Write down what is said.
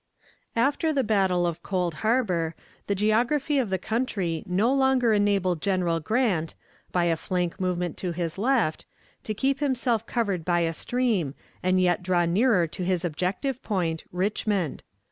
After the battle of Cold Harbor, the geography of the country no longer enabled General Grant, by a flank movement to his left, to keep himself covered by a stream, and yet draw nearer to his objective point, Richmond.